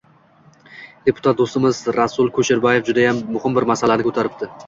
Deputat do‘stimiz Rasul Kusherbayev judayam muhim bir masalani ko‘taribdi.